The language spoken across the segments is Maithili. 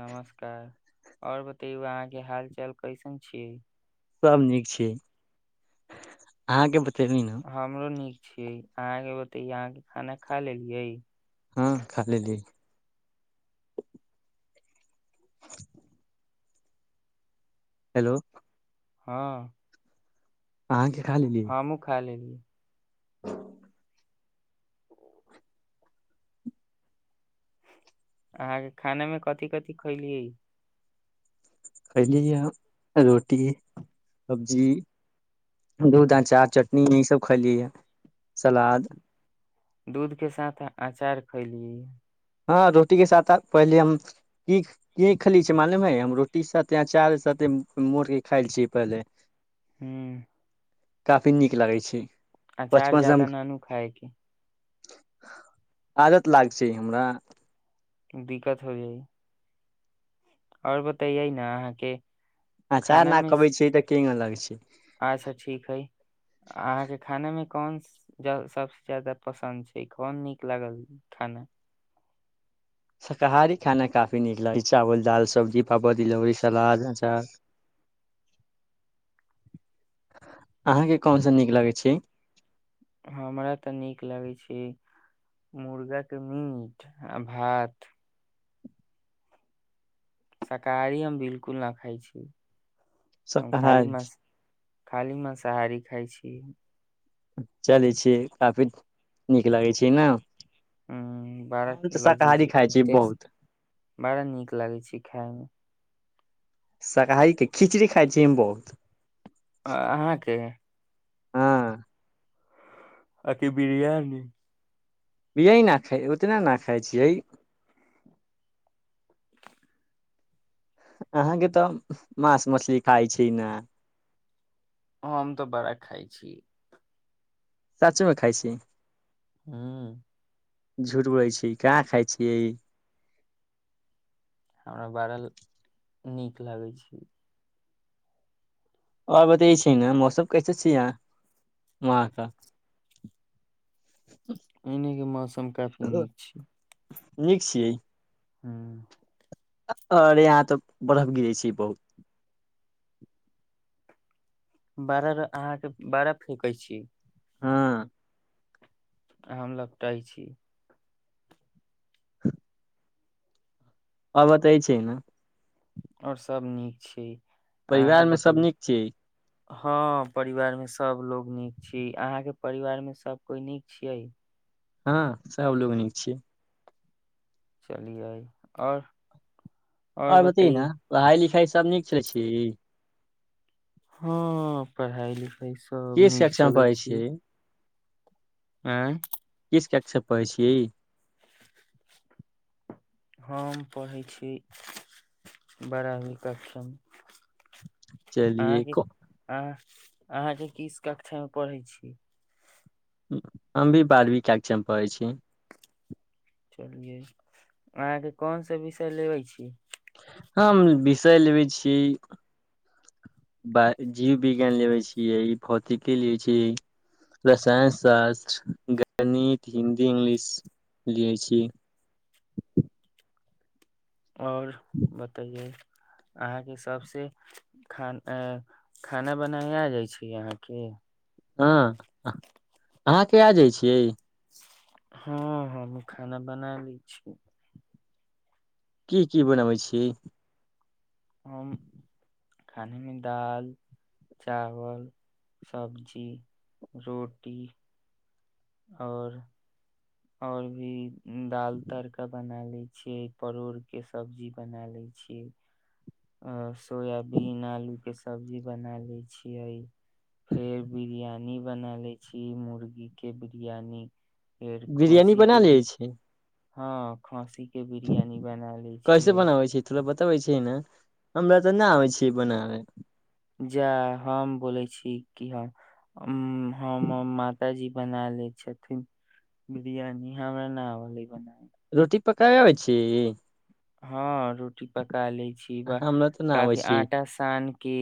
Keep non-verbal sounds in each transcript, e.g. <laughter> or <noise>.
नमस्कार आओर बतैौ अहाँके हाल चाल कैसन छियै सब नीक छै आे ब हमरो नीक छ अहाँके बते अहाँके खाना खा लेलियै हँ खाली लिय हेलो हँ अ हँ मुँह खा लेलियै हँ अहाँके खानेमे कथिी कथि खैलियै खयलीए रोटी सब्जी दूध अँचार चटनी यसभ खयलियैए सलाद दूध के साथ अचार खैलिय हँ रोटीके साथ पहिले हम की की खेली छिय मालूम है हम रोटी साथे अचार साथे मोड़ कऽ खायइल छियै पहिले हँ काफी नीक लगैत छै आ चार बचपन से हम जादाा ननू खाय की आदत लाग छै हमरा <unintelligible> दिक्कत हो जाइ आओर बतैयै ने अहाँके अचार खाना न मे अबै छी तऽ केी अ लगै ज अच्छा कन सबस जादा पसन्द छै कोन नीक लागल खाना शाकारी खाना काफी नीक लगै छै चावल दाल सब्जी पापड़ तिलौरी सलाद अच अहाँके कोनस नीक लगै छै हमरा तऽ नीक लगैत छै मुर्गाके मीट आ भात शाकाही हम बिलकुल नहि खाइ छी अ खाली शाकाहारी मस खाली मसहारी खााय छी चलै छियै काफी नीक लगै छै ने ह बड़ा हम तऽ शाकाहारी खाइ छी लजीजट बहुत बड़ा नीक लागै छै खाायमे शाकाहीे खिचड़ी खाइ छीिय हम बहुत अहाँके हँ आकी बिरियानी यह ने खा उतना ने खाइ छियैह अहाँके तऽ माँस मछली खाइ छी ने ह हम तऽ बड़ा खइ छी साचोमे खाइ छी हँ झुठबै छी का खाइ छीियै ई हमरा बड़ल नीक लागै छै आओर बतेै छै ने मौसम कैसे छीिय यहाँ वहाँके एनेके मौसम काफी नीक छै नीक छियै हँ अरे यहाँ तऽ बर्फ गिरे छी बहुत बारह र अहाँके बारह फेेकै छी हँ हम लपटइ छी ह आओर बताइ छै ने और सब नीक छी अहाँके परिवारमे सभ बतैयौ नीक छियै हँ परिवारमे सभलोग नीक छी अहाँके परिवारमे सभ कोइ नीक छियै हँ सभलोग नीक छियै चलि आइ आओर आओर बताइ ने पढ़ाइ लिखाइ तब नीक चलै छियै हँ पढ़इ लिख एहि सब किस नीक कक्षामे चलै पढ़ै छी छियै आँ किस कक्षा पढ़े छिय हम पढ़ै छी बाराहबी कक्षा मे चलिये आहाँ के आहाँ अहाँके कीस कक्षामे पढ़ै छी हम भी बारहवीं कक्षा मे पढ़ै छी चलियै अहाँके कोन सा विषय लेबे छी हम विषय लेबै छीिय जीव विज्ञान लेबै छियै भौतिकी लिै छीिय रसायन शास्त्र गणित हिन्दी इंग्लिश लै छी आओर बतइए अहाँके सभसँ खान अ खाना बनाय आ जाइ छी अहाँके हँ अहाँ क आ जाइ छियै हँ हमहू खाना बना लै छिय की की बनबै छीै खानेमे दाल चावल सबब्जी रोटी आओर आओर भी दाल तड़का बना ली छिये परोड़ के सब्जी बना ले छियै आस सोयबीन आलू के सब्जी बना ले छियै फेर बिरियानी बना ले छी मुर्गी के बिरियानी बिरयानी बना लै छै हँ खसी के बिरियानी बना ले छियै बइ छै हमरा तऽ नहि आै छिय बनाबै जाय हम बोलै छी की हम उ हम माताजी बना ले छथिन बिरियानी हमरा ना आव हे बना रोटी पक आबै छी हँ रोटी पका का लै छी ब हमरा तऽ नहि आबै काफी छियै आटा सान के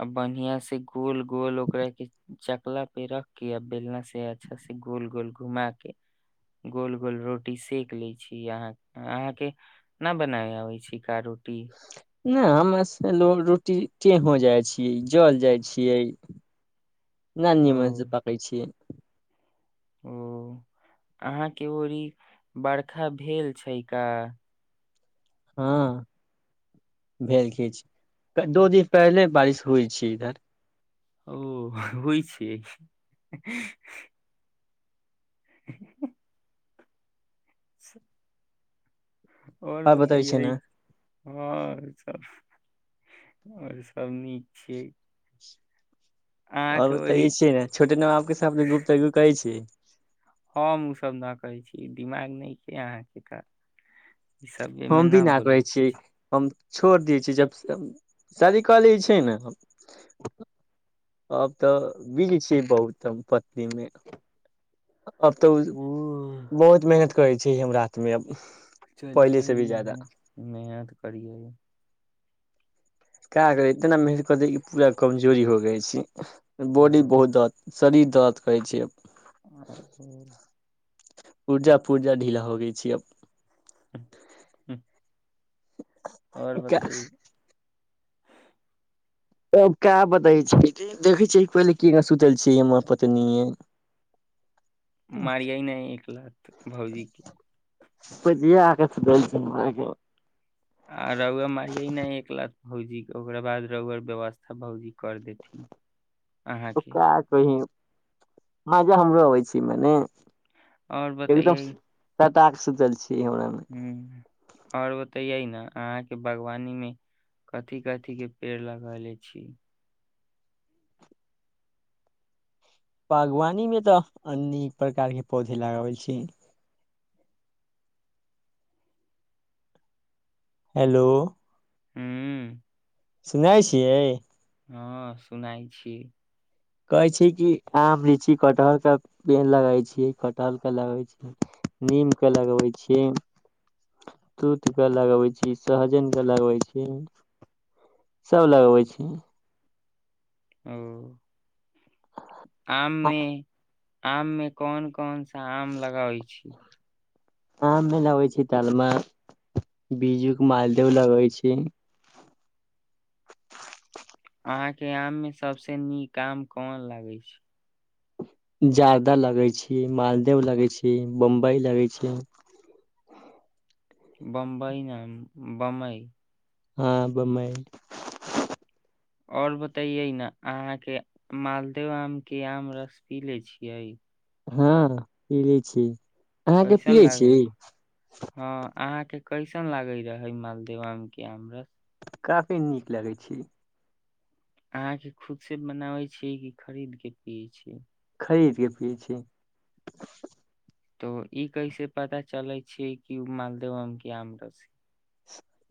अ बढ़िया से गोल गोल ओकरा के चकला पे रख के आ बेलना से अच्छा से गोल गोल घुमा के गोल गोल रोटी सेक ले छीह अहाँ के न बनाय अबे छैि का रोटी टी नहि हमर रोटी टेहो जाइ छियै जल जाइ छियै न ओ न मस पकै छियै ओ अहाँके ओरी ई बरखा भेल छै का हँ भेल किछु दू दिन पहिले बारिश होइ छै इधर ओ बइ छै <unintelligible> स आओर बतबै छै बताइए ने हँ सब आओर सबब न छै आओ बताै छी ने छोटे न बाप के साथ गुप तुप कहै छीियै हम ओसभ न करै छी दिमाग नहि छै अहाँके तऽ हम भी नहि कहै छीय हम छोड़ि दै छियै जब शादी कहलै छै ने आब तऽ बज छियै बहुत हम पत्नीमे अब तऽ ओ बहुत मेहनत करै छै छै हमरा हाथमेब चलििय पड़िआ य क करै इतना मेहनत करतै कि पूरा कमजोरी हो गइ छै बॉडी बहुत जाात शरीर दऽद कहै छै आरगू पूर्जा पूर्जा ढीला हो गई छी अब <unintelligible> आओर बताइ त क्य बतै छै देखै छै पहिले क सुतल छ हमरा पतनी मारिया ह नहि एक लथ भउजी की पल आग सुल छैरा आ रव अ मार यइ नहि एक लाख भूजी ओकरा बाद रर व्यवस्था भौजी कर देथिन त अहाँके क कही हँ जा हमरो अबै छी मने आओर बतैय पटाक सुचल छी हमरा मे ह आओर बतऽयै ने अहाँके बागवानी मे कथी कथीक के पेड़ लगले छी बागवानी मे तऽ अनेक प्रकार के पौधे लगाबै छी हेलो हँ सुनाइ छियै हँ सुनाइ छी कहै छी कि आम लीची कटहर के पे लगै छी कटहर के लगै छी नीम के लगबै छी तूत के लगबै छी सहजनके लगबै छी सभ लगबै छी ओ आम में आम में कोन कोन सा आम लगाबै छी आ मे लगै छै तालमा बी्जू के मालदह लगबै छी अहा के आम मे सबसे नीक आम कोन लागै छै जाारदा लगै छी मालदैव लगै छी बम्बई लगै छी बम्बई नाम बम्बई हँ बम्बइ आओर बतैयै ने अहाँके मालदेव आम के आम रस पी ले छियै हँ पी लै छी अहाँके कैसन पियै छी लागे हँ अहाँ के कैसन लागे रहे मालदेव आम के आम रस काफी नीक लगै छी अहाँ के खुद से बनाबे छीियै कि खरीद के पियै छीयै खरीदके पिय छी तो ई कैसे पता चलै छै कि मालदेव आम के आमरस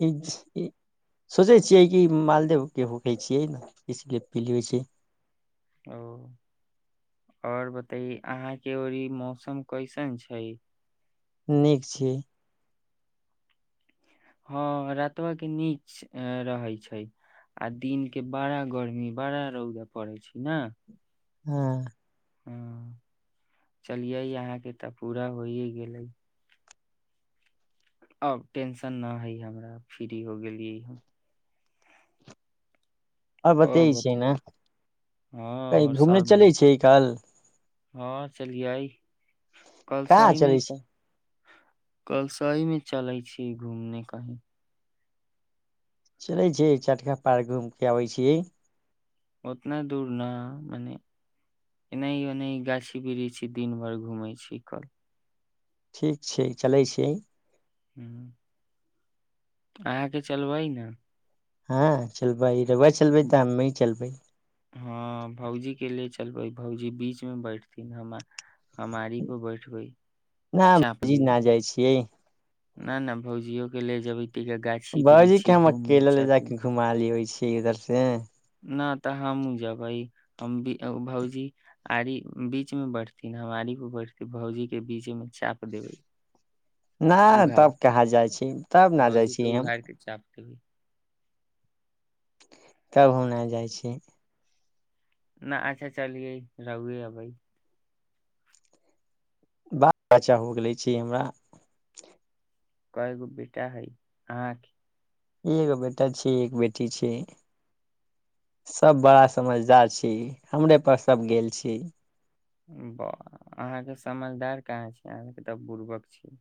ई सोचै छियै कि मालदेके होकै छियै इसलिए पी लैबै छै ओ आओर बतय अहाँके ओ मौसम कैसन छै नीक छियै हँ रातबा के नीच रहैत छै आ दििन के बड़ा गर्मी बड़ा रौद पड़ैत छै ने हँ ह चलियै अहाँके तऽ पूरा होइ ह गेलै अब टेंशन न हइ हमरा फ्री हो गेलियै हम आ बते और छै बत ने हँ कह और घूमने सब चलै नीक छै कल हँ चलिआइ कल कहाँ सहि चलै नहि छै कल साहि मे चलै छी घूमने कहीं चलै छै चटका पार घूम के अबै छियै ओतना दूर न मने एनाहि ओनाहि गाछी वृ छी दिन भरि घुमै छी कल ठीक छै चलै छिय ह अहाँके चलबै ने हँ चलबै रहुआ चलबै तऽ हमी चलबै हँ भौजी के ले चलबै भौजी बीच मे बैठथिन हमर हमारी पर बैठ गई ना चाँप भौजी ना देब जाइ छियै नहि नहि भौजियो के ले जेबै त गाछी बाबजी वृक्षी के हम घूम अकेला ले जााक छथिन घुमा ली ओहि छी इघर से न तऽ हमूँ जेबै हम भौजी आरी बीच मे बैठथिन हम आरी पर बैठे भउजी के बीच मे चाप देबै नहि उघार तब कहाँ जाइ छी तब ने जाइ छी हम कभी तब हम ना जाइ छी न अच्छा चलिय रहुए भइ ब बच्चा हो गेले छै हमरा कगो बेटा हइ अहाँके एगो बेटा छीिय एको बेटी छी सभ बड़ा समझदार छी हमरेप सभ गेल छी ब अहाँके समझदार कहाँ छै अहाँके तऽ बुरबक छी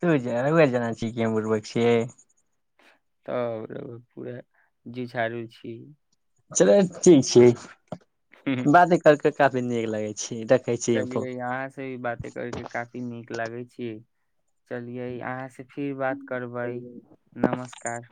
तू ज ह जना छी के बूर्बक छ तऽ पूरा झुझारू छी चल ठीक छैठ बाते करके काफी नीक लगे छै चलिये यहाँ से भी बाते करके काफी नीक लागे छी चलियै अहाँ से फिर बात करबै फोन नमस्कार